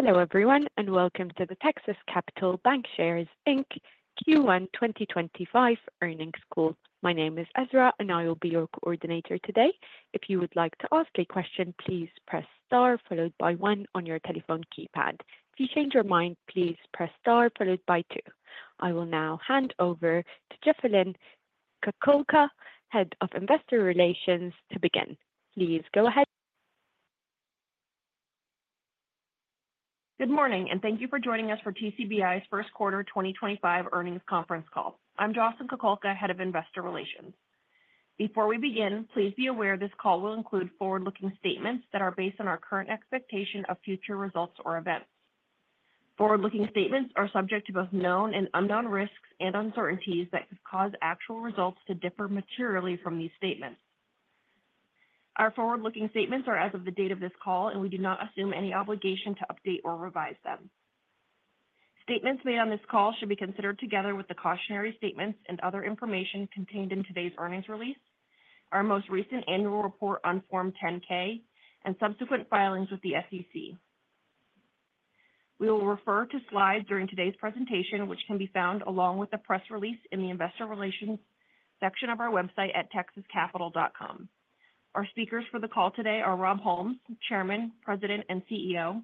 Hello everyone and welcome to the Texas Capital Bancshares Q1 2025 earnings call. My name is Ezra and I will be your coordinator today. If you would like to ask a question, please press star followed by one on your telephone keypad. If you change your mind, please press star followed by two. I will now hand over to Jocelyn Kukulka, Head of Investor Relations, to begin. Please go ahead. Good morning and thank you for joining us for TCBI's first quarter 2025 earnings conference call. I'm Jocelyn Kukulka, Head of Investor Relations. Before we begin, please be aware this call will include forward-looking statements that are based on our current expectation of future results or events. Forward-looking statements are subject to both known and unknown risks and uncertainties that could cause actual results to differ materially from these statements. Our forward-looking statements are as of the date of this call, and we do not assume any obligation to update or revise them. Statements made on this call should be considered together with the cautionary statements and other information contained in today's earnings release, our most recent annual report on Form 10-K, and subsequent filings with the SEC. We will refer to slides during today's presentation, which can be found along with the press release in the Investor Relations section of our website at texascapital.com. Our speakers for the call today are Rob Holmes, Chairman, President, and CEO,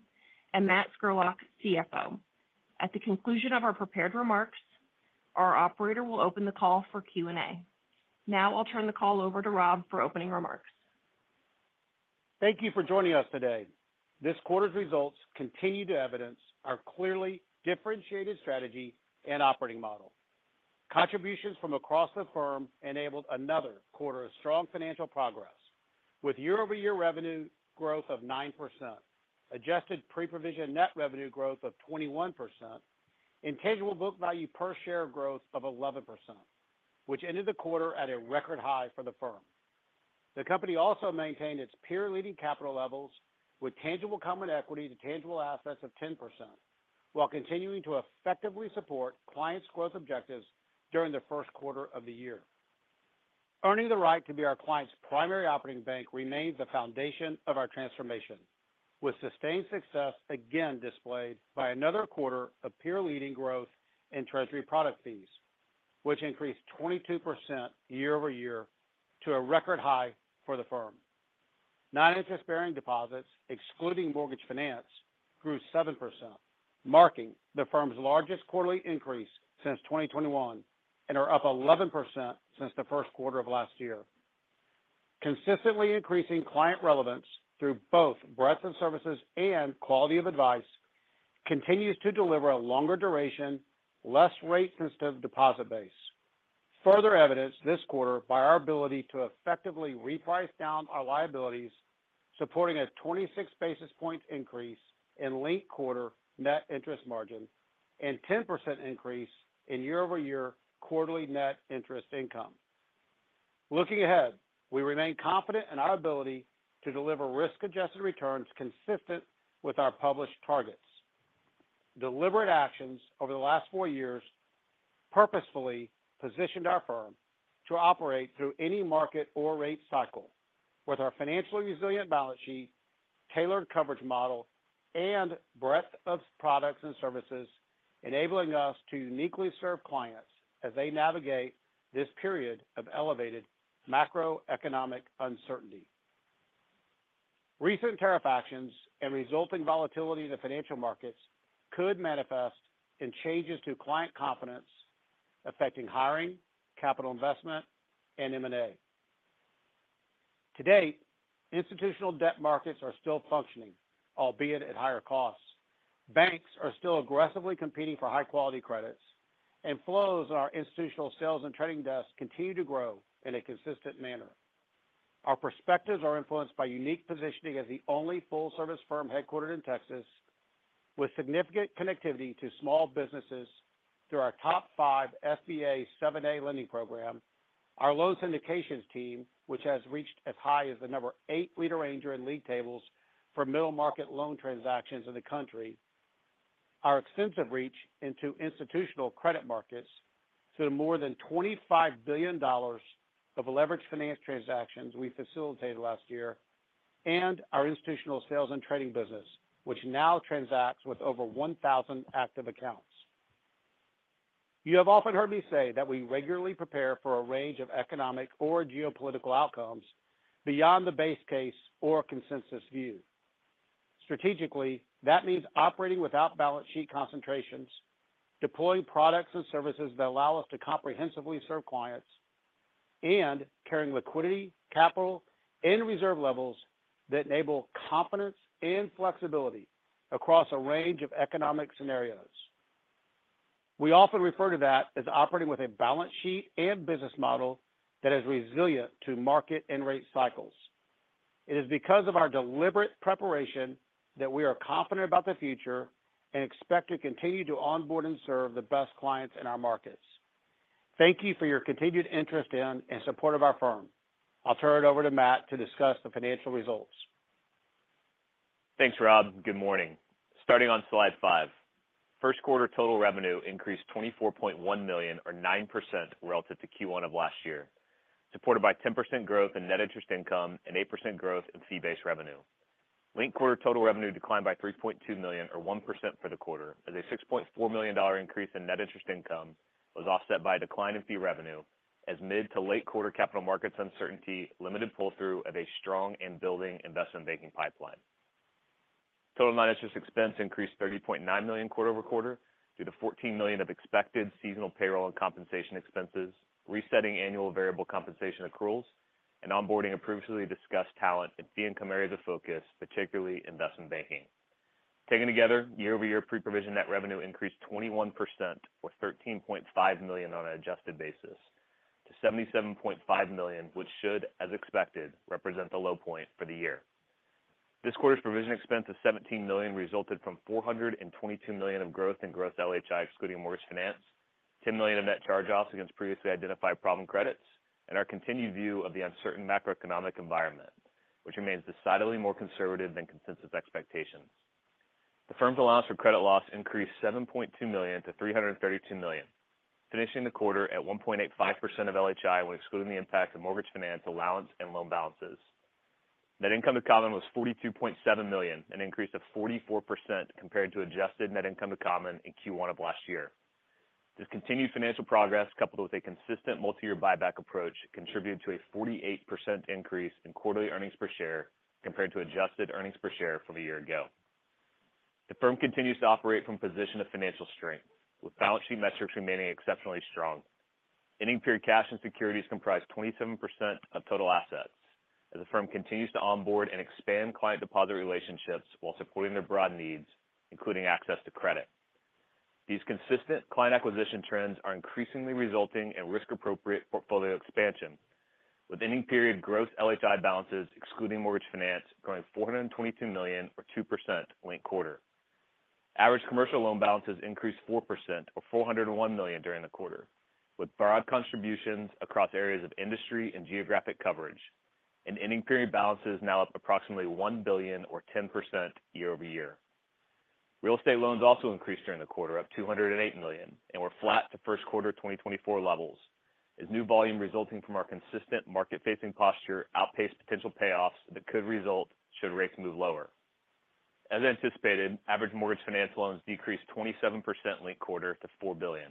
and Matt Scurlock, CFO. At the conclusion of our prepared remarks, our operator will open the call for Q&A. Now I'll turn the call over to Rob for opening remarks. Thank you for joining us today. This quarter's results, continued evidence, are clearly differentiated strategy and operating model. Contributions from across the firm enabled another quarter of strong financial progress, with year-over-year revenue growth of 9%, adjusted pre-provision net revenue growth of 21%, and tangible book value per share growth of 11%, which ended the quarter at a record high for the firm. The company also maintained its peer-leading capital levels, with tangible common equity to tangible assets of 10%, while continuing to effectively support clients' growth objectives during the first quarter of the year. Earning the right to be our client's primary operating bank remains the foundation of our transformation, with sustained success again displayed by another quarter of peer-leading growth in treasury product fees, which increased 22% year-over-year to a record high for the firm. Non-interest-bearing deposits, excluding mortgage finance, grew 7%, marking the firm's largest quarterly increase since 2021 and are up 11% since the first quarter of last year. Consistently increasing client relevance through both breadth of services and quality of advice continues to deliver a longer duration, less rate-sensitive deposit base. Further evidenced this quarter by our ability to effectively reprice down our liabilities, supporting a 26 basis points increase in late quarter net interest margin and 10% increase in year-over-year quarterly net interest income. Looking ahead, we remain confident in our ability to deliver risk-adjusted returns consistent with our published targets. Deliberate actions over the last four years purposefully positioned our firm to operate through any market or rate cycle with our financially resilient balance sheet, tailored coverage model, and breadth of products and services, enabling us to uniquely serve clients as they navigate this period of elevated macroeconomic uncertainty. Recent tariff actions and resulting volatility in the financial markets could manifest in changes to client confidence affecting hiring, capital investment, and M&A. To date, institutional debt markets are still functioning, albeit at higher costs. Banks are still aggressively competing for high-quality credits, and flows in our institutional sales and trading desk continue to grow in a consistent manner. Our perspectives are influenced by unique positioning as the only full-service firm headquartered in Texas, with significant connectivity to small businesses through our top five SBA 7(a) lending program, our loan syndications team, which has reached as high as the number eight lead arranger in league tables for middle market loan transactions in the country, our extensive reach into institutional credit markets through more than $25 billion of leveraged finance transactions we facilitated last year, and our institutional sales and trading business, which now transacts with over 1,000 active accounts. You have often heard me say that we regularly prepare for a range of economic or geopolitical outcomes beyond the base case or consensus view. Strategically, that means operating without balance sheet concentrations, deploying products and services that allow us to comprehensively serve clients, and carrying liquidity, capital, and reserve levels that enable confidence and flexibility across a range of economic scenarios. We often refer to that as operating with a balance sheet and business model that is resilient to market and rate cycles. It is because of our deliberate preparation that we are confident about the future and expect to continue to onboard and serve the best clients in our markets. Thank you for your continued interest in and support of our firm. I'll turn it over to Matt to discuss the financial results. Thanks, Rob. Good morning. Starting on slide five, first quarter total revenue increased $24.1 million, or 9%, relative to Q1 of last year, supported by 10% growth in net interest income and 8% growth in fee-based revenue. Late quarter total revenue declined by $3.2 million, or 1%, for the quarter, as a $6.4 million increase in net interest income was offset by a decline in fee revenue as mid to late quarter capital markets uncertainty limited pull-through of a strong and building investment banking pipeline. Total non-interest expense increased $30.9 million quarter over quarter due to $14 million of expected seasonal payroll and compensation expenses, resetting annual variable compensation accruals and onboarding of previously discussed talent and fee income areas of focus, particularly investment banking. Taken together, year-over-year pre-provision net revenue increased 21%, or $13.5 million on an adjusted basis, to $77.5 million, which should, as expected, represent the low point for the year. This quarter's provision expense of $17 million resulted from $422 million of growth in gross LHI, excluding mortgage finance, $10 million of net charge-offs against previously identified problem credits, and our continued view of the uncertain macroeconomic environment, which remains decidedly more conservative than consensus expectations. The firm's allowance for credit loss increased $7.2 million to $332 million, finishing the quarter at 1.85% of LHI when excluding the impact of mortgage finance allowance and loan balances. Net income to common was $42.7 million, an increase of 44% compared to adjusted net income to common in Q1 of last year. This continued financial progress, coupled with a consistent multi-year buyback approach, contributed to a 48% increase in quarterly earnings per share compared to adjusted earnings per share from a year ago. The firm continues to operate from a position of financial strength, with balance sheet metrics remaining exceptionally strong. Ending period cash and securities comprise 27% of total assets, as the firm continues to onboard and expand client deposit relationships while supporting their broad needs, including access to credit. These consistent client acquisition trends are increasingly resulting in risk-appropriate portfolio expansion, with ending period gross LHI balances, excluding mortgage finance, growing $422 million, or 2%, late quarter. Average commercial loan balances increased 4%, or $401 million, during the quarter, with broad contributions across areas of industry and geographic coverage. Ending period balances now up approximately $1 billion, or 10%, year over year. Real estate loans also increased during the quarter, up $208 million, and were flat to first quarter 2024 levels, as new volume resulting from our consistent market-facing posture outpaced potential payoffs that could result should rates move lower. As anticipated, average mortgage finance loans decreased 27% late quarter to $4 billion,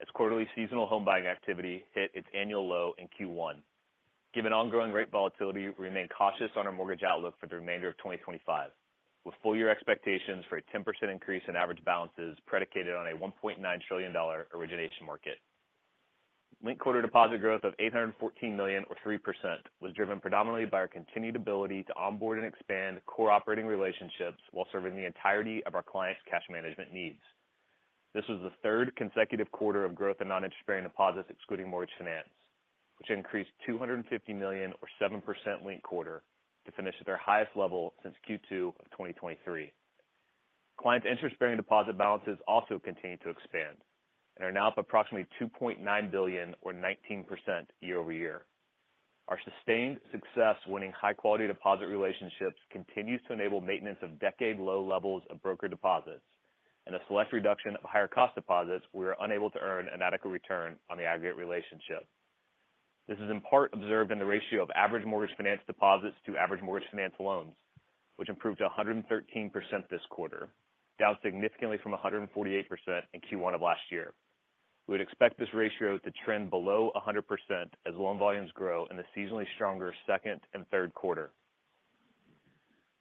as quarterly seasonal home buying activity hit its annual low in Q1. Given ongoing rate volatility, we remain cautious on our mortgage outlook for the remainder of 2025, with full-year expectations for a 10% increase in average balances predicated on a $1.9 trillion origination market. Late quarter deposit growth of $814 million, or 3%, was driven predominantly by our continued ability to onboard and expand core operating relationships while serving the entirety of our clients' cash management needs. This was the third consecutive quarter of growth in non-interest-bearing deposits, excluding mortgage finance, which increased $250 million, or 7%, late quarter, to finish at their highest level since Q2 of 2023. Clients' interest-bearing deposit balances also continued to expand and are now up approximately $2.9 billion, or 19%, year over year. Our sustained success winning high-quality deposit relationships continues to enable maintenance of decade-low levels of broker deposits and a select reduction of higher-cost deposits we were unable to earn an adequate return on the aggregate relationship. This is in part observed in the ratio of average mortgage finance deposits to average mortgage finance loans, which improved to 113% this quarter, down significantly from 148% in Q1 of last year. We would expect this ratio to trend below 100% as loan volumes grow in the seasonally stronger second and third quarter.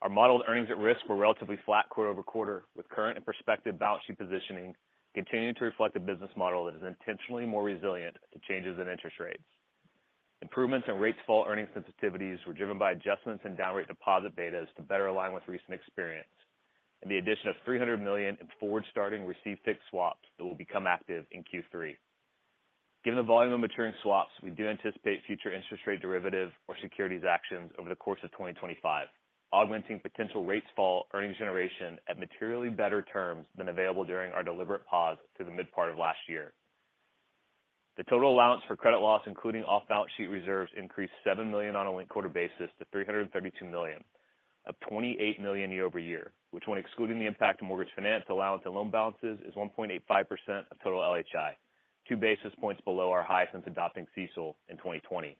Our modeled earnings at risk were relatively flat quarter over quarter, with current and prospective balance sheet positioning continuing to reflect a business model that is intentionally more resilient to changes in interest rates. Improvements in rate fall earnings sensitivities were driven by adjustments in down rate deposit betas to better align with recent experience and the addition of $300 million in forward-starting receive-fixed swaps that will become active in Q3. Given the volume of maturing swaps, we do anticipate future interest rate derivative or securities actions over the course of 2025, augmenting potential rate fall earnings generation at materially better terms than available during our deliberate pause through the mid-part of last year. The total allowance for credit loss, including off-balance sheet reserves, increased $7 million on a late quarter basis to $332 million, up $28 million year over year, which, when excluding the impact of mortgage finance allowance and loan balances, is 1.85% of total LHI, two basis points below our high since adopting CECL in 2020.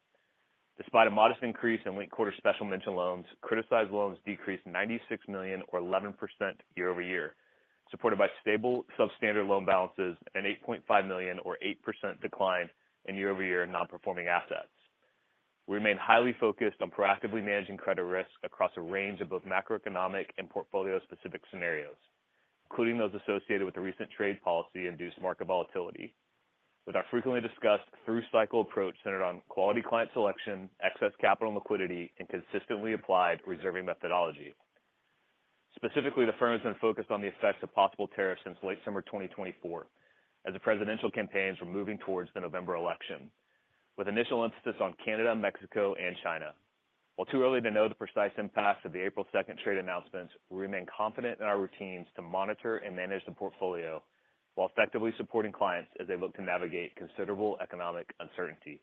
Despite a modest increase in late quarter special mention loans, criticized loans decreased $96 million, or 11%, year over year, supported by stable substandard loan balances and an $8.5 million, or 8%, decline in year-over-year non-performing assets. We remain highly focused on proactively managing credit risk across a range of both macroeconomic and portfolio-specific scenarios, including those associated with the recent trade policy-induced market volatility, with our frequently discussed through-cycle approach centered on quality client selection, excess capital and liquidity, and consistently applied reserving methodology. Specifically, the firm has been focused on the effects of possible tariffs since late summer 2024, as the presidential campaigns were moving towards the November election, with initial emphasis on Canada, Mexico, and China. While too early to know the precise impacts of the April 2nd trade announcements, we remain confident in our routines to monitor and manage the portfolio while effectively supporting clients as they look to navigate considerable economic uncertainty.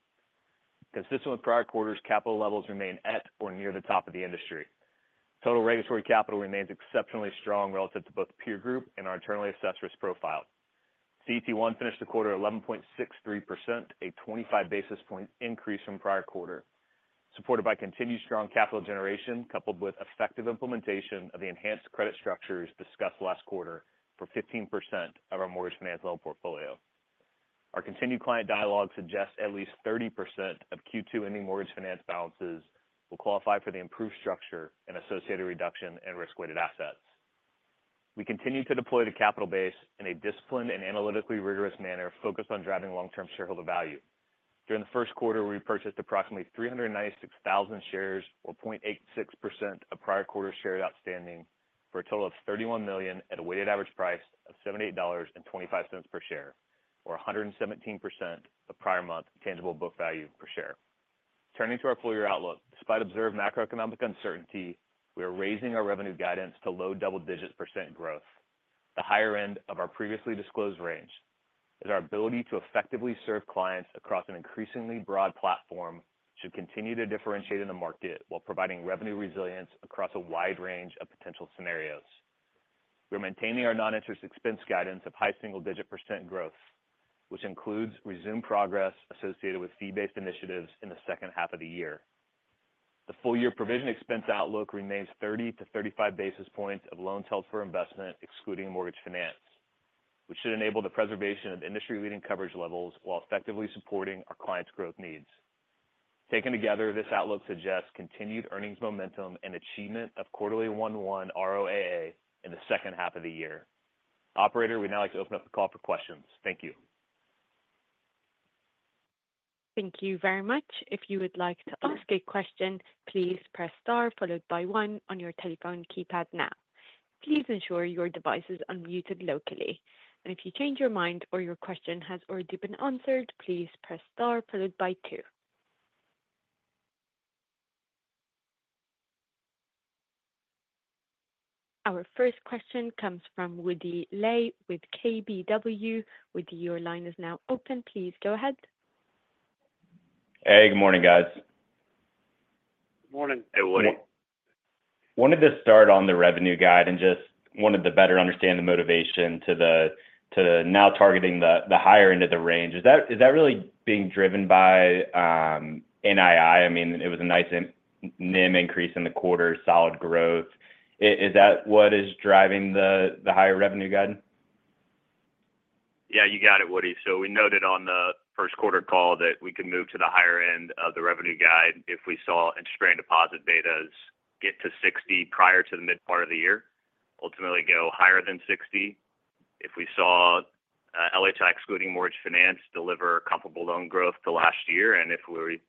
Consistent with prior quarters, capital levels remain at or near the top of the industry. Total regulatory capital remains exceptionally strong relative to both peer group and our internally assessed risk profile. CET1 finished the quarter at 11.63%, a 25 basis point increase from prior quarter, supported by continued strong capital generation coupled with effective implementation of the enhanced credit structures discussed last quarter for 15% of our mortgage finance level portfolio. Our continued client dialogue suggests at least 30% of Q2 ending mortgage finance balances will qualify for the improved structure and associated reduction in risk-weighted assets. We continue to deploy the capital base in a disciplined and analytically rigorous manner focused on driving long-term shareholder value. During the first quarter, we purchased approximately 396,000 shares, or 0.86% of prior quarter shares outstanding, for a total of $31 million at a weighted average price of $78.25 per share, or 117% of prior month tangible book value per share. Turning to our full-year outlook, despite observed macroeconomic uncertainty, we are raising our revenue guidance to low double-digit % growth. The higher end of our previously disclosed range is our ability to effectively serve clients across an increasingly broad platform should continue to differentiate in the market while providing revenue resilience across a wide range of potential scenarios. We are maintaining our non-interest expense guidance of high single-digit % growth, which includes resumed progress associated with fee-based initiatives in the second half of the year. The full-year provision expense outlook remains 30-35 basis points of loans held for investment, excluding mortgage finance, which should enable the preservation of industry-leading coverage levels while effectively supporting our clients' growth needs. Taken together, this outlook suggests continued earnings momentum and achievement of quarterly 1.1% ROAA in the second half of the year. Operator, we'd now like to open up the call for questions. Thank you. Thank you very much. If you would like to ask a question, please press star followed by one on your telephone keypad now. Please ensure your device is unmuted locally. If you change your mind or your question has already been answered, please press star followed by two. Our first question comes from Woody Lay with KBW. Woody, your line is now open. Please go ahead. Hey, good morning, guys. Good morning. Hey, Woody. Wanted to start on the revenue guide and just wanted to better understand the motivation to now targeting the higher end of the range. Is that really being driven by NII? I mean, it was a nice NIM increase in the quarter, solid growth. Is that what is driving the higher revenue guide? Yeah, you got it, Woody. We noted on the first quarter call that we could move to the higher end of the revenue guide if we saw interest-bearing deposit betas get to 60 prior to the mid-part of the year, ultimately go higher than 60 if we saw LHI, excluding mortgage finance, deliver comparable loan growth to last year, and if we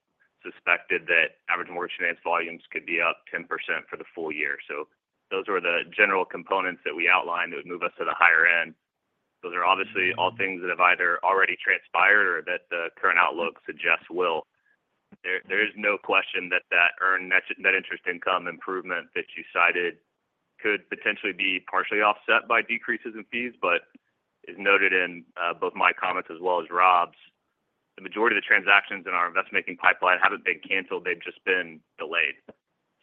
suspected that average mortgage finance volumes could be up 10% for the full year. Those were the general components that we outlined that would move us to the higher end. Those are obviously all things that have either already transpired or that the current outlook suggests will. There is no question that that earned net interest income improvement that you cited could potentially be partially offset by decreases in fees, but as noted in both my comments as well as Rob's, the majority of the transactions in our investment banking pipeline haven't been canceled. They've just been delayed.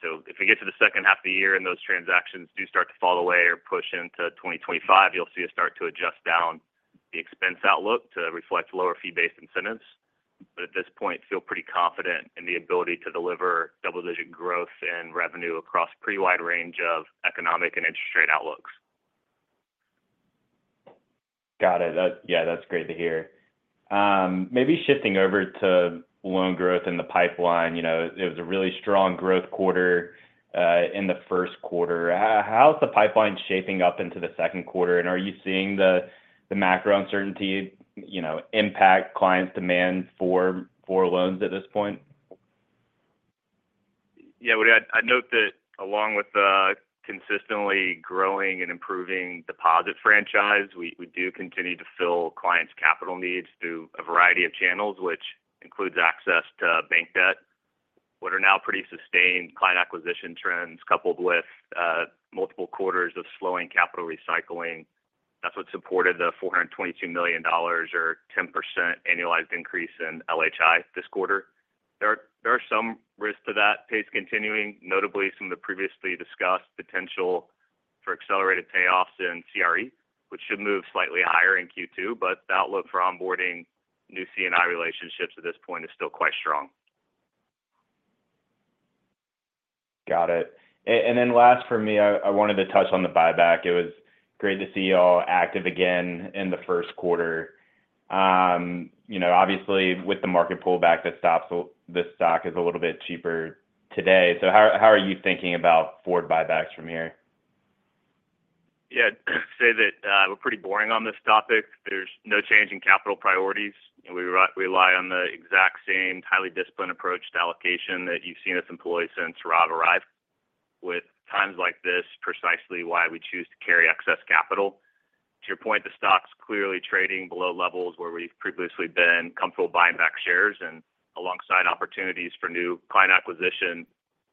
If we get to the second half of the year and those transactions do start to fall away or push into 2025, you'll see us start to adjust down the expense outlook to reflect lower fee-based incentives. At this point, feel pretty confident in the ability to deliver double-digit growth and revenue across a pretty wide range of economic and interest rate outlooks. Got it. Yeah, that's great to hear. Maybe shifting over to loan growth in the pipeline. It was a really strong growth quarter in the first quarter. How's the pipeline shaping up into the second quarter? Are you seeing the macro uncertainty impact clients' demand for loans at this point? Yeah, Woody, I'd note that along with the consistently growing and improving deposit franchise, we do continue to fill clients' capital needs through a variety of channels, which includes access to bank debt. What are now pretty sustained client acquisition trends coupled with multiple quarters of slowing capital recycling. That's what supported the $422 million, or 10% annualized increase in LHI this quarter. There are some risks to that pace continuing, notably some of the previously discussed potential for accelerated payoffs in CRE, which should move slightly higher in Q2. The outlook for onboarding new C&I relationships at this point is still quite strong. Got it. Last for me, I wanted to touch on the buyback. It was great to see you all active again in the first quarter. Obviously, with the market pullback, the stock is a little bit cheaper today. How are you thinking about forward buybacks from here? Yeah, I'd say that we're pretty boring on this topic. There's no change in capital priorities. We rely on the exact same highly disciplined approach to allocation that you've seen us employ since Rob arrived. With times like this, precisely why we choose to carry excess capital. To your point, the stock's clearly trading below levels where we've previously been comfortable buying back shares. Alongside opportunities for new client acquisition,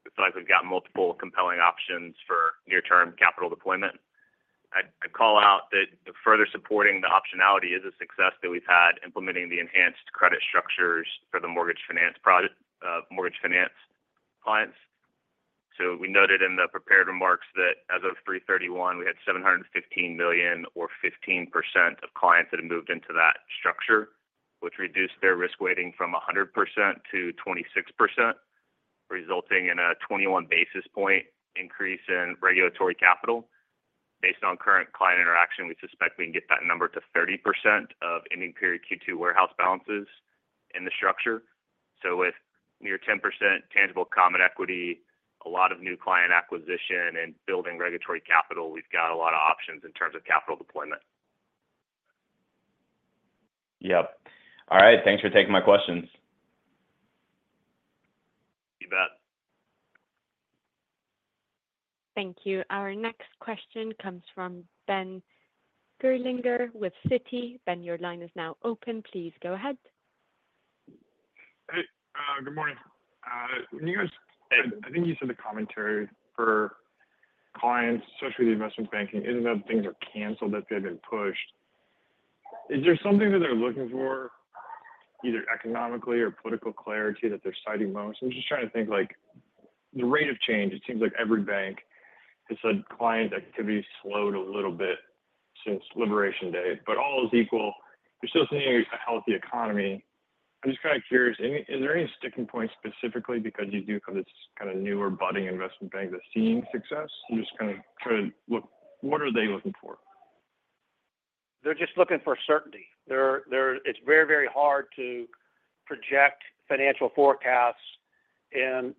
it's like we've got multiple compelling options for near-term capital deployment. I'd call out that further supporting the optionality is a success that we've had implementing the enhanced credit structures for the mortgage finance clients. We noted in the prepared remarks that as of March 31, we had $715 million, or 15%, of clients that had moved into that structure, which reduced their risk weighting from 100% to 26%, resulting in a 21 basis point increase in regulatory capital. Based on current client interaction, we suspect we can get that number to 30% of ending period Q2 warehouse balances in the structure. With near 10% tangible common equity, a lot of new client acquisition, and building regulatory capital, we've got a lot of options in terms of capital deployment. Yep. All right. Thanks for taking my questions. You bet. Thank you. Our next question comes from Ben Gerlinger with Citi. Ben, your line is now open. Please go ahead. Hey, good morning. When you guys—I think you said the commentary for clients, especially the investment banking, isn't that things are canceled, that they've been pushed. Is there something that they're looking for, either economically or political clarity, that they're citing most? I'm just trying to think. The rate of change, it seems like every bank has said client activity slowed a little bit since liberation day. All is equal. You're still seeing a healthy economy. I'm just kind of curious, is there any sticking points specifically because you do have this kind of newer budding investment bank that's seeing success? I'm just kind of trying to look—what are they looking for? They're just looking for certainty. It's very, very hard to project financial forecasts in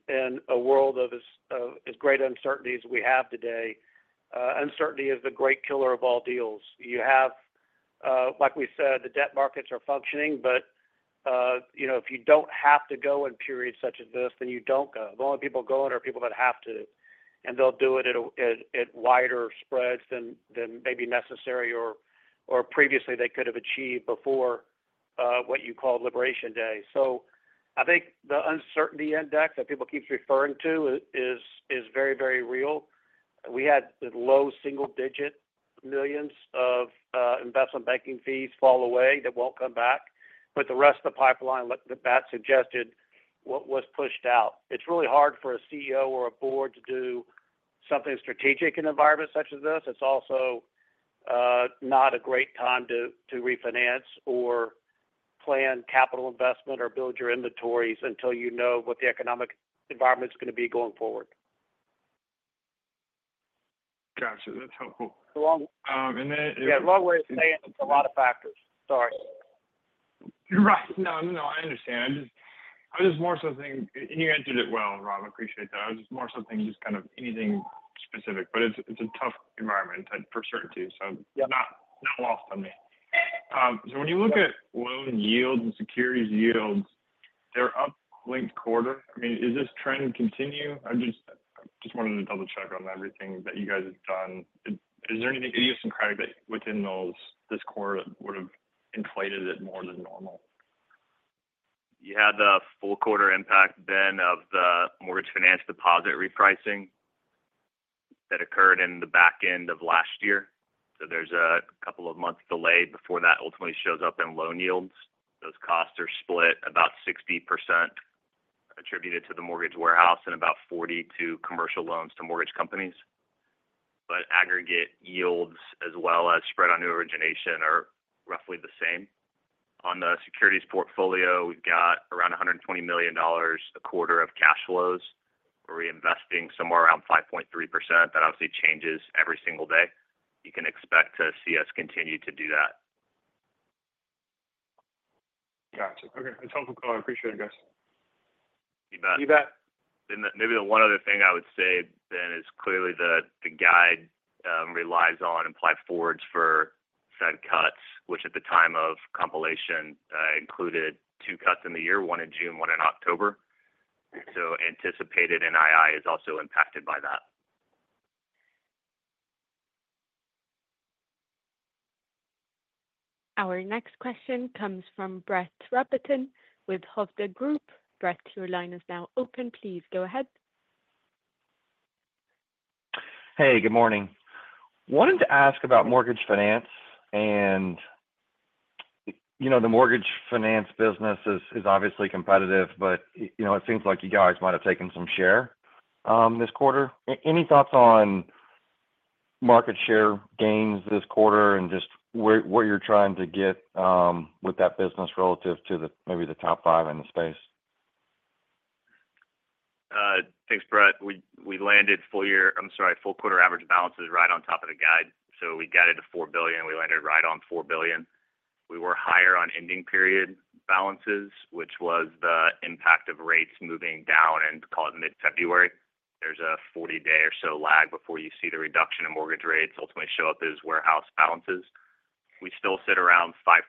a world of as great uncertainties as we have today. Uncertainty is the great killer of all deals. You have, like we said, the debt markets are functioning, but if you don't have to go in periods such as this, then you don't go. The only people going are people that have to. They'll do it at wider spreads than maybe necessary or previously they could have achieved before what you call liberation day. I think the uncertainty index that people keep referring to is very, very real. We had low single-digit millions of investment banking fees fall away that won't come back. The rest of the pipeline that suggested what was pushed out. It's really hard for a CEO or a board to do something strategic in an environment such as this. It's also not a great time to refinance or plan capital investment or build your inventories until you know what the economic environment's going to be going forward. Gotcha. That's helpful. Yeah, a long way of saying it's a lot of factors. Sorry. Right. No, no, no. I understand. I was just more so thinking—you answered it well, Rob. I appreciate that. I was just more so thinking just kind of anything specific. It is a tough environment for certainty, not lost on me. When you look at loan yields and securities yields, they are up linked quarter. I mean, does this trend continue? I just wanted to double-check on everything that you guys have done. Is there anything idiosyncratic within this quarter that would have inflated it more than normal? You had the full quarter impact then of the mortgage finance deposit repricing that occurred in the back end of last year. There is a couple of months delay before that ultimately shows up in loan yields. Those costs are split about 60% attributed to the mortgage warehouse and about 40% to commercial loans to mortgage companies. Aggregate yields, as well as spread on new origination, are roughly the same. On the securities portfolio, we have got around $120 million a quarter of cash flows. We are reinvesting somewhere around 5.3%. That obviously changes every single day. You can expect to see us continue to do that. Gotcha. Okay. That's helpful. I appreciate it, guys. You bet. You bet. Maybe the one other thing I would say then is clearly the guide relies on implied forwards for Fed cuts, which at the time of compilation included two cuts in the year, one in June, one in October. Anticipated NII is also impacted by that. Our next question comes from Brett Rabatin with Hovde Group. Brett, your line is now open. Please go ahead. Hey, good morning. Wanted to ask about mortgage finance. And the mortgage finance business is obviously competitive, but it seems like you guys might have taken some share this quarter. Any thoughts on market share gains this quarter and just what you're trying to get with that business relative to maybe the top five in the space? Thanks, Brett. We landed full year—I'm sorry, full quarter average balances right on top of the guide. We got into $4 billion. We landed right on $4 billion. We were higher on ending period balances, which was the impact of rates moving down and causing it in February. There is a 40-day or so lag before you see the reduction in mortgage rates ultimately show up as warehouse balances. We still sit around 5%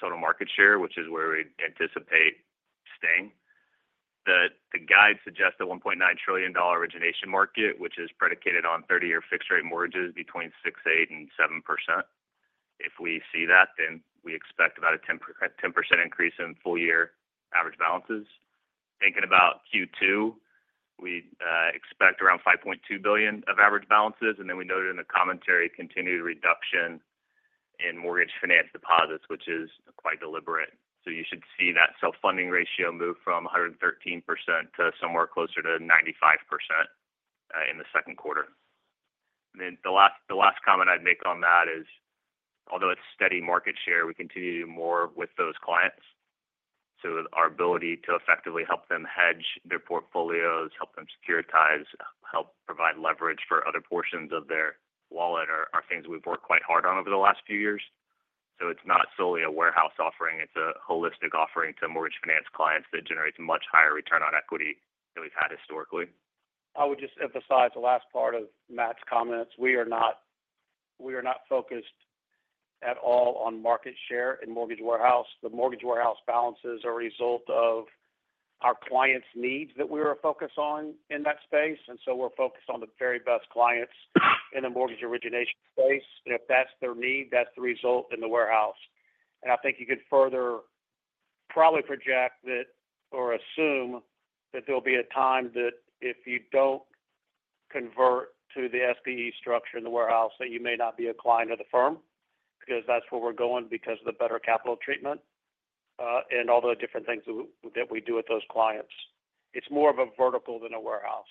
total market share, which is where we anticipate staying. The guide suggests a $1.9 trillion origination market, which is predicated on 30-year fixed-rate mortgages between 6% and 7%. If we see that, then we expect about a 10% increase in full-year average balances. Thinking about Q2, we expect around $5.2 billion of average balances. We noted in the commentary continued reduction in mortgage finance deposits, which is quite deliberate. You should see that self-funding ratio move from 113% to somewhere closer to 95% in the second quarter. The last comment I'd make on that is, although it's steady market share, we continue to do more with those clients. Our ability to effectively help them hedge their portfolios, help them securitize, help provide leverage for other portions of their wallet are things we've worked quite hard on over the last few years. It's not solely a warehouse offering. It's a holistic offering to mortgage finance clients that generates a much higher return on equity than we've had historically. I would just emphasize the last part of Matt's comments. We are not focused at all on market share in mortgage warehouse. The mortgage warehouse balances are a result of our clients' needs that we were focused on in that space. We are focused on the very best clients in the mortgage origination space. If that's their need, that's the result in the warehouse. I think you could further probably project that or assume that there will be a time that if you do not convert to the SPE structure in the warehouse, you may not be a client of the firm because that's where we are going because of the better capital treatment and all the different things that we do with those clients. It is more of a vertical than a warehouse.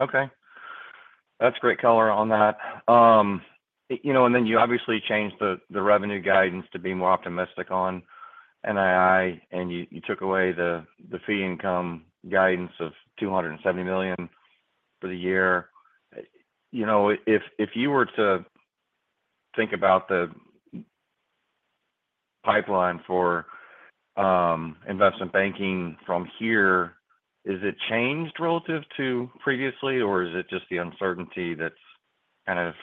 Okay. That's great color on that. You obviously changed the revenue guidance to be more optimistic on NII, and you took away the fee income guidance of $270 million for the year. If you were to think about the pipeline for investment banking from here, has it changed relative to previously, or is it just the uncertainty that's kind of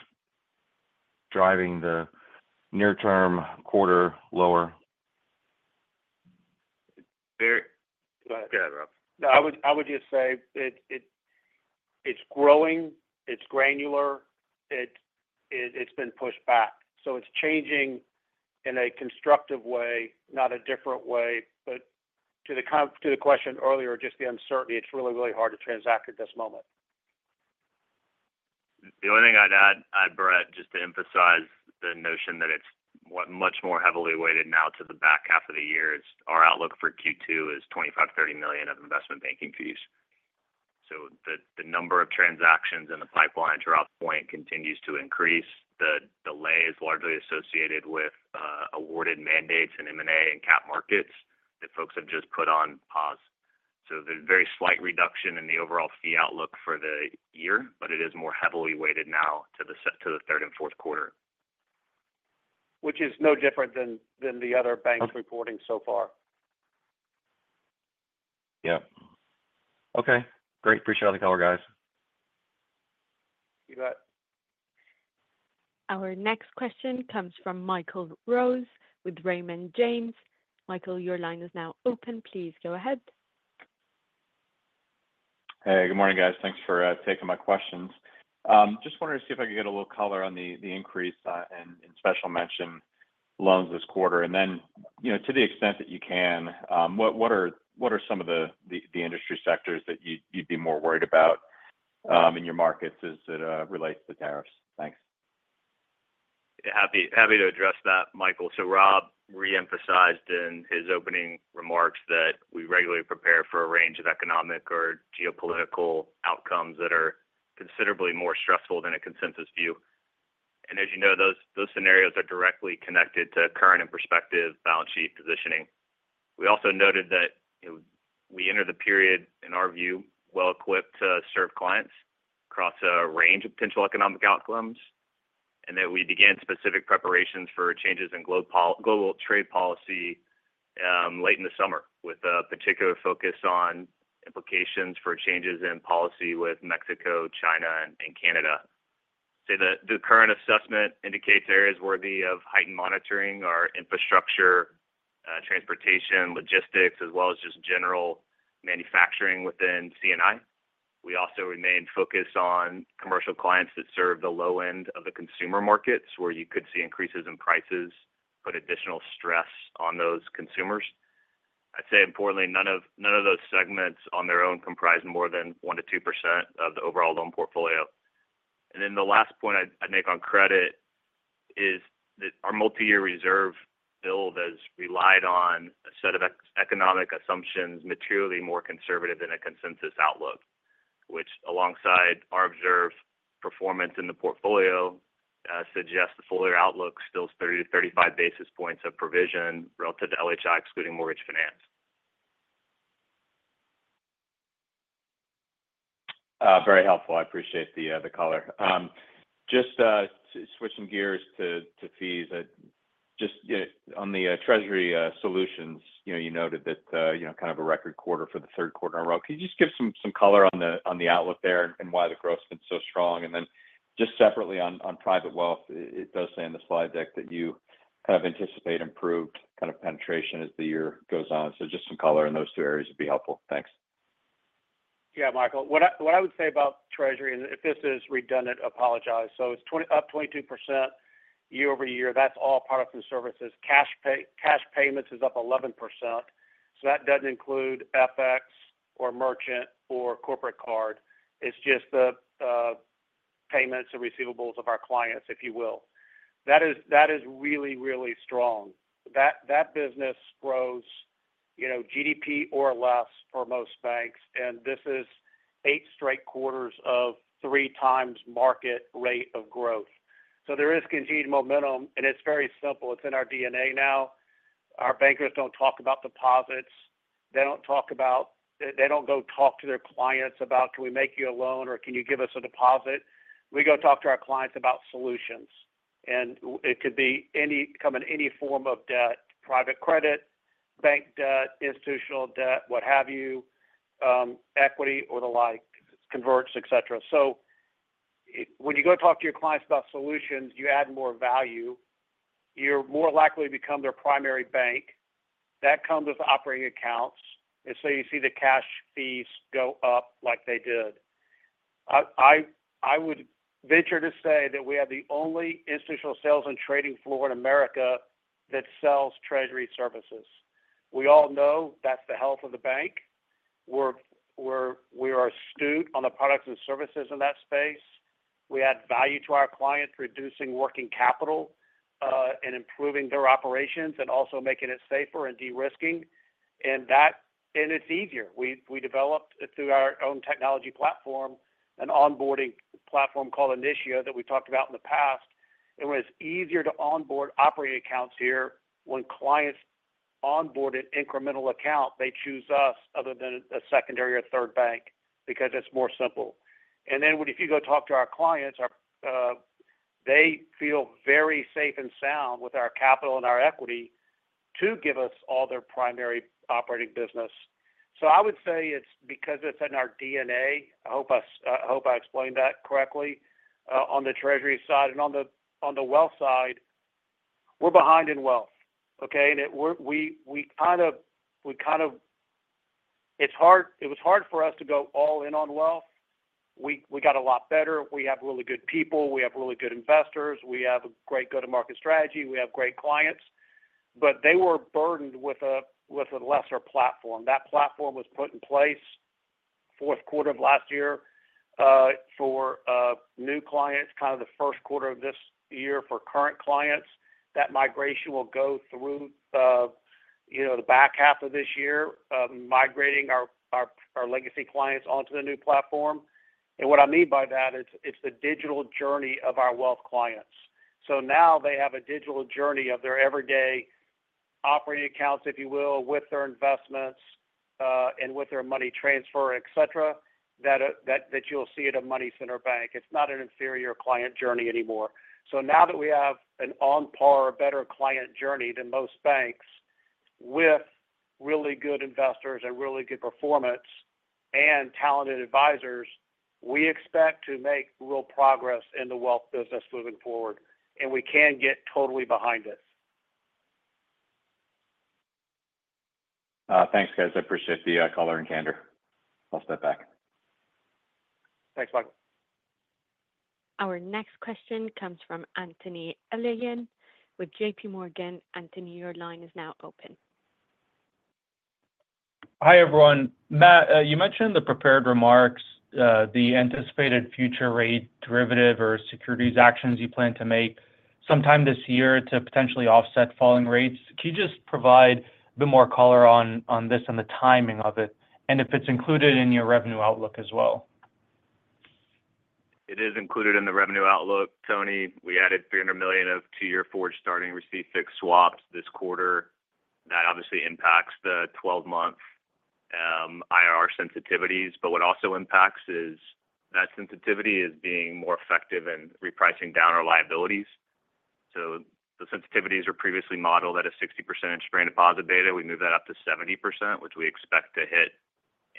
driving the near-term quarter lower? Yeah, Bro. I would just say it's growing. It's granular. It's been pushed back. It's changing in a constructive way, not a different way. To the question earlier, just the uncertainty, it's really, really hard to transact at this moment. The only thing I'd add, Brett, just to emphasize the notion that it's much more heavily weighted now to the back half of the year is our outlook for Q2 is $25 million-$30 million of investment banking fees. The number of transactions in the pipeline throughout the point continues to increase. The delay is largely associated with awarded mandates and M&A and cap markets that folks have just put on pause. There is a very slight reduction in the overall fee outlook for the year, but it is more heavily weighted now to the third and fourth quarter. Which is no different than the other banks reporting so far. Yep. Okay. Great. Appreciate all the color, guys. You bet. Our next question comes from Michael Rose with Raymond James. Michael, your line is now open. Please go ahead. Hey, good morning, guys. Thanks for taking my questions. Just wanted to see if I could get a little color on the increase in special mention loans this quarter. To the extent that you can, what are some of the industry sectors that you'd be more worried about in your markets as it relates to tariffs? Thanks. Happy to address that, Michael. Rob re-emphasized in his opening remarks that we regularly prepare for a range of economic or geopolitical outcomes that are considerably more stressful than a consensus view. As you know, those scenarios are directly connected to current and prospective balance sheet positioning. We also noted that we entered the period, in our view, well-equipped to serve clients across a range of potential economic outcomes and that we began specific preparations for changes in global trade policy late in the summer with a particular focus on implications for changes in policy with Mexico, China, and Canada. The current assessment indicates areas worthy of heightened monitoring are infrastructure, transportation, logistics, as well as just general manufacturing within CNI. We also remain focused on commercial clients that serve the low end of the consumer markets where you could see increases in prices put additional stress on those consumers. I'd say importantly, none of those segments on their own comprise more than 1% to 2% of the overall loan portfolio. The last point I'd make on credit is that our multi-year reserve build has relied on a set of economic assumptions materially more conservative than a consensus outlook, which alongside our observed performance in the portfolio suggests the full-year outlook still is 30-35 basis points of provision relative to LHI, excluding mortgage finance. Very helpful. I appreciate the color. Just to switch some gears to fees, just on the Treasury solutions, you noted that kind of a record quarter for the third quarter in a row. Can you just give some color on the outlook there and why the growth's been so strong? Just separately on private wealth, it does say in the slide deck that you kind of anticipate improved kind of penetration as the year goes on. Just some color in those two areas would be helpful. Thanks. Yeah, Michael. What I would say about Treasury, and if this is redundant, apologize. It is up 22% year over year. That is all products and services. Cash payments is up 11%. That does not include FX or merchant or corporate card. It is just the payments and receivables of our clients, if you will. That is really, really strong. That business grows GDP or less for most banks. This is eight straight quarters of three times market rate of growth. There is continued momentum, and it is very simple. It is in our DNA now. Our bankers do not talk about deposits. They do not talk about they do not go talk to their clients about, "Can we make you a loan?" or, "Can you give us a deposit?" We go talk to our clients about solutions. It could come in any form of debt: private credit, bank debt, institutional debt, what have you, equity or the like, converts, etc. When you go talk to your clients about solutions, you add more value. You're more likely to become their primary bank. That comes with operating accounts. You see the cash fees go up like they did. I would venture to say that we have the only institutional sales and trading floor in America that sells Treasury services. We all know that's the health of the bank. We are astute on the products and services in that space. We add value to our clients, reducing working capital and improving their operations and also making it safer and de-risking. It's easier. We developed through our own technology platform, an onboarding platform called Initio that we talked about in the past. It was easier to onboard operating accounts here when clients onboard an incremental account. They choose us other than a secondary or third bank because it's more simple. If you go talk to our clients, they feel very safe and sound with our capital and our equity to give us all their primary operating business. I would say it's because it's in our DNA. I hope I explained that correctly. On the Treasury side and on the wealth side, we're behind in wealth. Okay? It was hard for us to go all in on wealth. We got a lot better. We have really good people. We have really good investors. We have a great go-to-market strategy. We have great clients. They were burdened with a lesser platform. That platform was put in place fourth quarter of last year for new clients, kind of the first quarter of this year for current clients. That migration will go through the back half of this year, migrating our legacy clients onto the new platform. What I mean by that, it's the digital journey of our wealth clients. Now they have a digital journey of their everyday operating accounts, if you will, with their investments and with their money transfer, etc., that you'll see at a money center bank. It's not an inferior client journey anymore. Now that we have an on par, better client journey than most banks with really good investors and really good performance and talented advisors, we expect to make real progress in the wealth business moving forward. We can get totally behind it. Thanks, guys. I appreciate the color and candor. I'll step back. Thanks, Michael. Our next question comes from Anthony Elian with JPMorgan. Anthony, your line is now open. Hi everyone. Matt, you mentioned the prepared remarks, the anticipated future rate derivative or securities actions you plan to make sometime this year to potentially offset falling rates. Can you just provide a bit more color on this and the timing of it and if it's included in your revenue outlook as well? It is included in the revenue outlook, Tony. We added $300 million of two-year forward starting receive fixed swaps this quarter. That obviously impacts the 12-month IRR sensitivities. What also impacts that sensitivity is being more effective in repricing down our liabilities. The sensitivities were previously modeled at a 60% interest rate deposit beta. We moved that up to 70%, which we expect to hit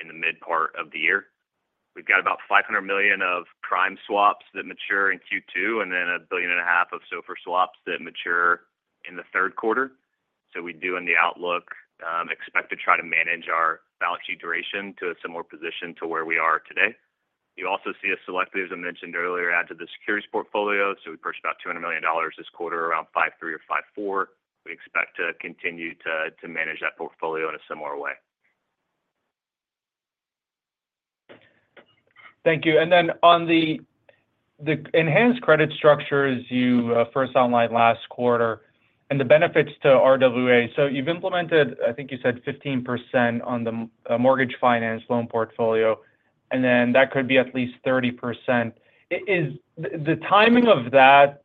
in the mid part of the year. We've got about $500 million of prime swaps that mature in Q2 and then $1.5 billion of SOFR swaps that mature in the third quarter. In the outlook, we expect to try to manage our balance sheet duration to a similar position to where we are today. You also see us selectively, as I mentioned earlier, add to the securities portfolio. We purchased about $200 million this quarter, around 5.3 or 5.4. We expect to continue to manage that portfolio in a similar way. Thank you. On the enhanced credit structures you first outlined last quarter and the benefits to RWA, you've implemented, I think you said, 15% on the mortgage finance loan portfolio, and then that could be at least 30%. Is the timing of that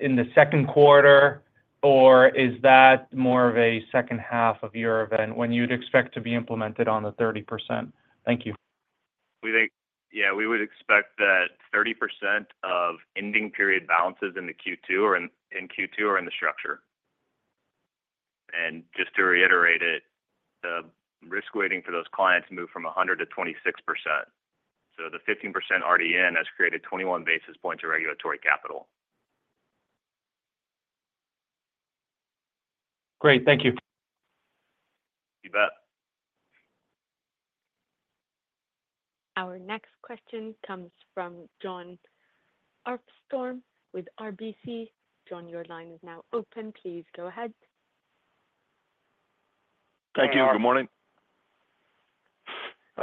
in the second quarter, or is that more of a second half of year event when you'd expect to be implemented on the 30%? Thank you. Yeah, we would expect that 30% of ending period balances in Q2 or in Q2 are in the structure. Just to reiterate it, the risk weighting for those clients moved from 100% to 26%. The 15% already in has created 21 basis points of regulatory capital. Great. Thank you. You bet. Our next question comes from Jon Arfstrom with RBC. John, your line is now open. Please go ahead. Thank you. Good morning. A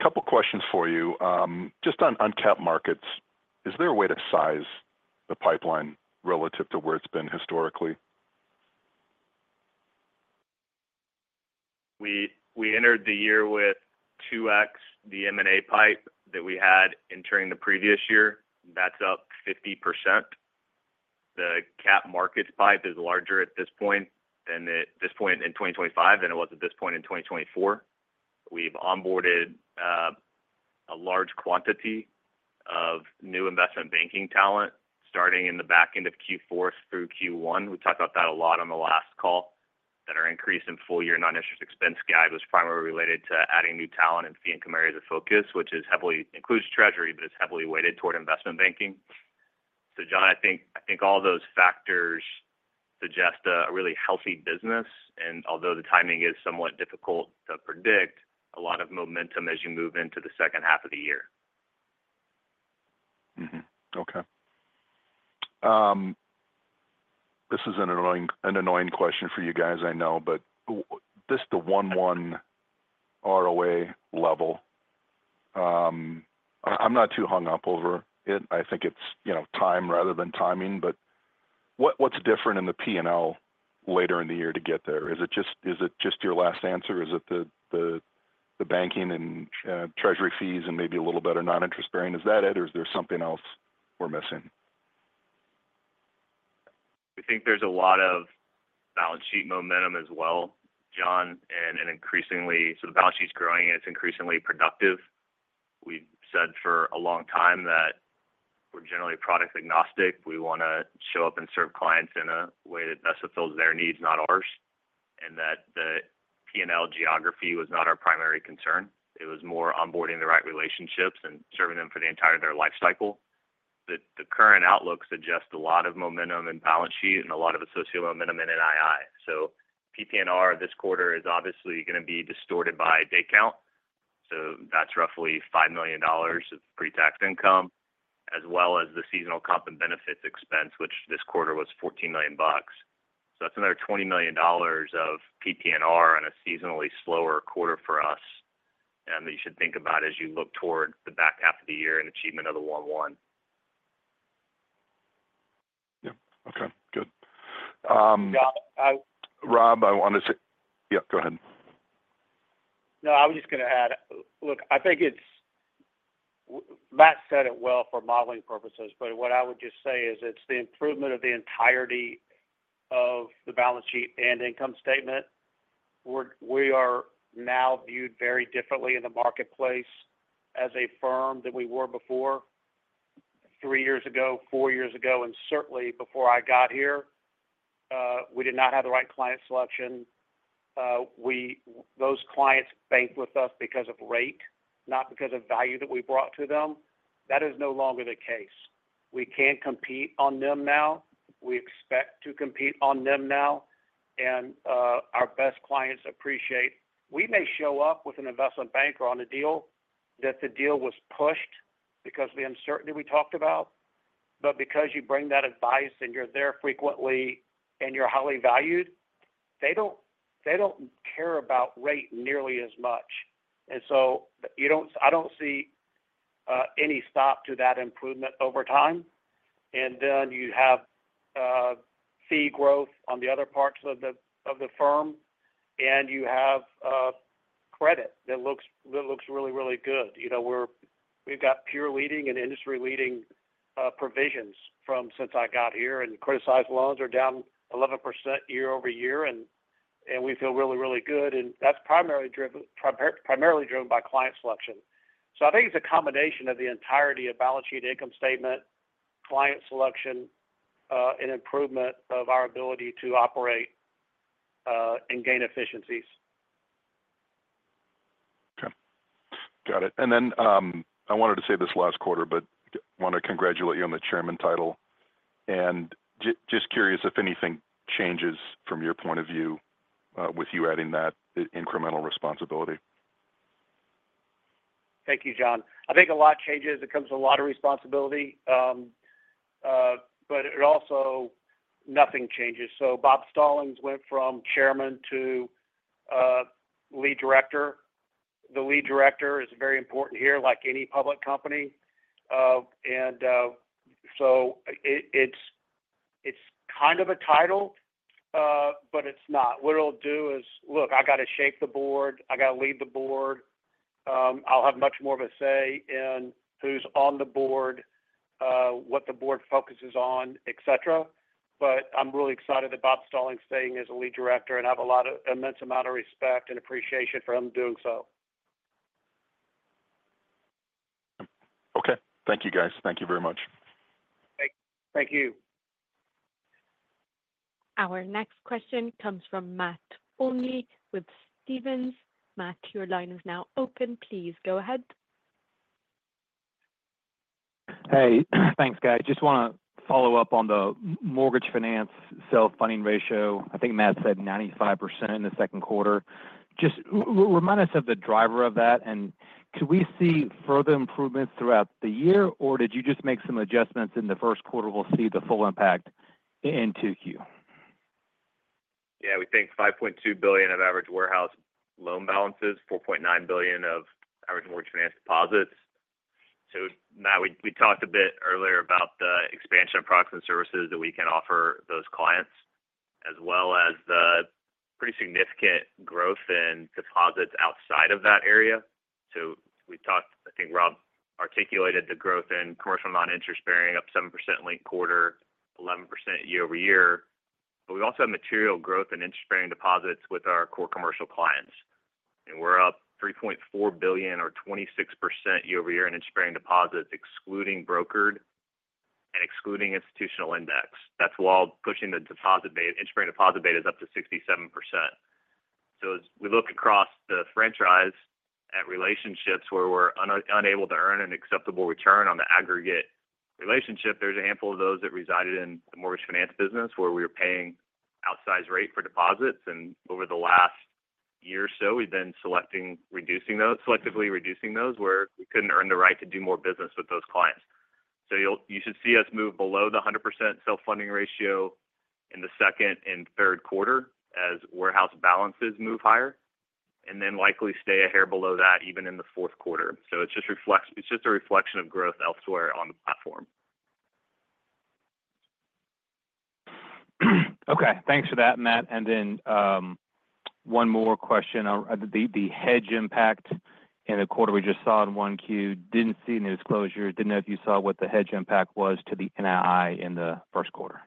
couple of questions for you. Just on cap markets, is there a way to size the pipeline relative to where it's been historically? We entered the year with 2X the M&A pipe that we had entering the previous year. That's up 50%. The cap markets pipe is larger at this point than at this point in 2025 than it was at this point in 2024. We've onboarded a large quantity of new investment banking talent starting in the back end of Q4 through Q1. We talked about that a lot on the last call. That our increase in full-year non-interest expense gap was primarily related to adding new talent and fee and commodities of focus, which includes Treasury, but is heavily weighted toward investment banking. John, I think all those factors suggest a really healthy business. Although the timing is somewhat difficult to predict, a lot of momentum as you move into the second half of the year. Okay. This is an annoying question for you guys, I know, but just the 1.1 ROA level. I'm not too hung up over it. I think it's time rather than timing. What is different in the P&L later in the year to get there? Is it just your last answer? Is it the banking and Treasury fees and maybe a little better non-interest bearing? Is that it, or is there something else we're missing? I think there's a lot of balance sheet momentum as well, John, and increasingly so the balance sheet's growing, and it's increasingly productive. We've said for a long time that we're generally product agnostic. We want to show up and serve clients in a way that best fulfills their needs, not ours, and that the P&L geography was not our primary concern. It was more onboarding the right relationships and serving them for the entirety of their lifecycle. The current outlook suggests a lot of momentum in balance sheet and a lot of associated momentum in NII. PPNR this quarter is obviously going to be distorted by day count. That's roughly $5 million of pre-tax income, as well as the seasonal comp and benefits expense, which this quarter was $14 million. That's another $20 million of PPNR on a seasonally slower quarter for us. You should think about as you look toward the back half of the year and achievement of the 1.1. Yeah. Okay. Good. Rob, I want to say yeah, go ahead. No, I was just going to add, look, I think Matt said it well for modeling purposes, but what I would just say is it's the improvement of the entirety of the balance sheet and income statement. We are now viewed very differently in the marketplace as a firm than we were before, three years ago, four years ago, and certainly before I got here. We did not have the right client selection. Those clients banked with us because of rate, not because of value that we brought to them. That is no longer the case. We can compete on them now. We expect to compete on them now. Our best clients appreciate we may show up with an investment banker on a deal that the deal was pushed because of the uncertainty we talked about. Because you bring that advice and you're there frequently and you're highly valued, they don't care about rate nearly as much. I don't see any stop to that improvement over time. You have fee growth on the other parts of the firm, and you have credit that looks really, really good. We've got peer-leading and industry-leading provisions since I got here, and credit-sized loans are down 11% year over year, and we feel really, really good. That's primarily driven by client selection. I think it's a combination of the entirety of balance sheet income statement, client selection, and improvement of our ability to operate and gain efficiencies. Okay. Got it. I wanted to say this last quarter, but I want to congratulate you on the chairman title. Just curious if anything changes from your point of view with you adding that incremental responsibility. Thank you, John. I think a lot changes. It comes with a lot of responsibility, but it also nothing changes. Bob Stallings went from Chairman to Lead Director. The Lead Director is very important here, like any public company. It is kind of a title, but it is not. What it will do is, look, I got to shape the board. I got to lead the board. I will have much more of a say in who is on the board, what the board focuses on, etc. I am really excited that Bob Stallings is Lead Director, and I have an immense amount of respect and appreciation for him doing so. Okay. Thank you, guys. Thank you very much. Thank you. Our next question comes from Matt Olney with Stephens. Matt, your line is now open. Please go ahead. Hey. Thanks, guys. Just want to follow up on the mortgage finance self-funding ratio. I think Matt said 95% in the second quarter. Just remind us of the driver of that. Could we see further improvements throughout the year, or did you just make some adjustments in the first quarter? We'll see the full impact in 2Q. Yeah. We think $5.2 billion of average warehouse loan balances, $4.9 billion of average mortgage finance deposits. We talked a bit earlier about the expansion of products and services that we can offer those clients, as well as the pretty significant growth in deposits outside of that area. We have talked, I think Rob articulated the growth in commercial non-interest bearing up 7% in late quarter, 11% year over year. We also have material growth in interest-bearing deposits with our core commercial clients. We are up $3.4 billion or 26% year over year in interest-bearing deposits, excluding brokered and excluding institutional index. That is while pushing the interest-bearing deposit beta up to 67%. As we look across the franchise at relationships where we're unable to earn an acceptable return on the aggregate relationship, there's a handful of those that resided in the mortgage finance business where we were paying outsized rate for deposits. Over the last year or so, we've been reducing those, selectively reducing those where we couldn't earn the right to do more business with those clients. You should see us move below the 100% self-funding ratio in the second and third quarter as warehouse balances move higher, and then likely stay a hair below that even in the fourth quarter. It's just a reflection of growth elsewhere on the platform. Okay. Thanks for that, Matt. One more question. The hedge impact in the quarter we just saw in 1Q, did not see in its closure. Did not know if you saw what the hedge impact was to the NII in the first quarter.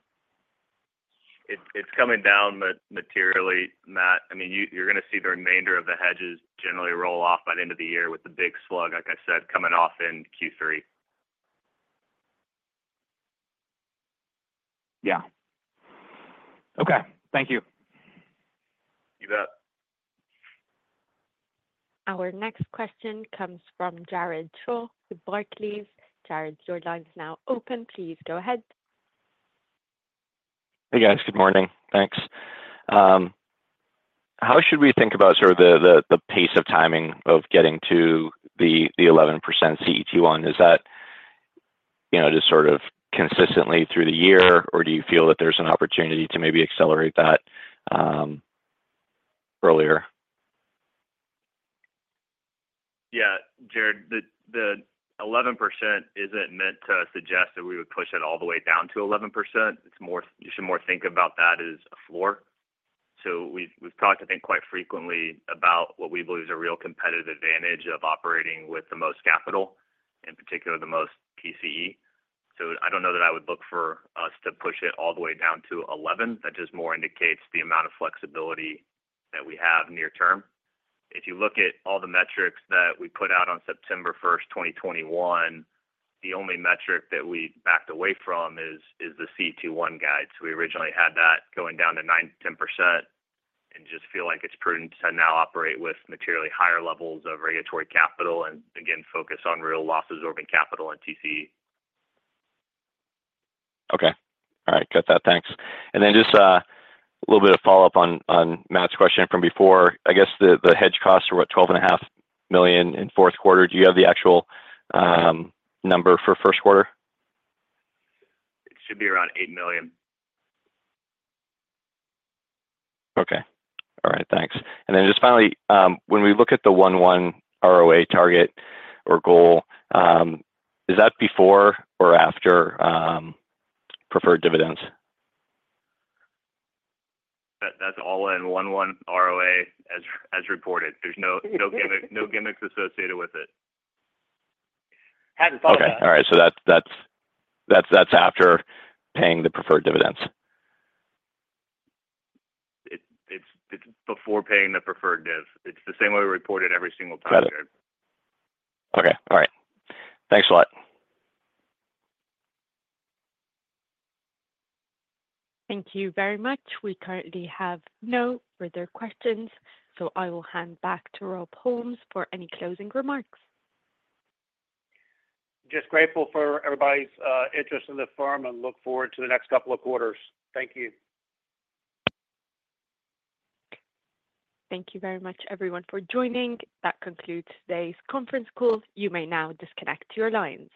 It's coming down materially, Matt. I mean, you're going to see the remainder of the hedges generally roll off by the end of the year with the big slug, like I said, coming off in Q3. Yeah. Okay. Thank you. You bet. Our next question comes from Jared Shaw with Barclays. Jared, your line is now open. Please go ahead. Hey, guys. Good morning. Thanks. How should we think about sort of the pace of timing of getting to the 11% CET1? Is that just sort of consistently through the year, or do you feel that there's an opportunity to maybe accelerate that earlier? Yeah. Jared, the 11% isn't meant to suggest that we would push it all the way down to 11%. You should more think about that as a floor. We've talked, I think, quite frequently about what we believe is a real competitive advantage of operating with the most capital, in particular the most TCE. I don't know that I would look for us to push it all the way down to 11%. That just more indicates the amount of flexibility that we have near term. If you look at all the metrics that we put out on September 1, 2021, the only metric that we backed away from is the CET1 guide. We originally had that going down to 9-10%, and just feel like it's prudent to now operate with materially higher levels of regulatory capital and, again, focus on real loss-absorbing capital and TCE. Okay. All right. Got that. Thanks. Just a little bit of follow-up on Matt's question from before. I guess the hedge costs are what, $12.5 million in fourth quarter? Do you have the actual number for first quarter? It should be around $8 million. Okay. All right. Thanks. Then just finally, when we look at the 1.1 ROA target or goal, is that before or after preferred dividends? That's all in 1.1 ROA as reported. There's no gimmicks associated with it. Hadn't thought of that. Okay. All right. That's after paying the preferred dividends. It's before paying the preferred divs. It's the same way we report it every single time, Jared. Got it. Okay. All right. Thanks a lot. Thank you very much. We currently have no further questions, so I will hand back to Rob Holmes for any closing remarks. Just grateful for everybody's interest in the firm and look forward to the next couple of quarters. Thank you. Thank you very much, everyone, for joining. That concludes today's conference call. You may now disconnect your lines.